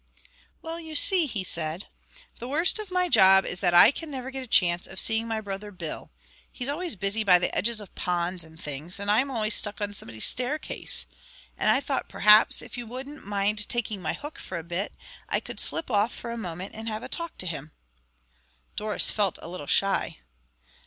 "Well, you see," he said, "the worst of my job is that I can never get a chance of seeing my brother Bill. He's always busy by the edges of ponds and things, and I'm always stuck on somebody's staircase; and I thought perhaps, if you wouldn't mind taking my hook for a bit, I could slip off for a moment and have a talk to him." Doris felt a little shy.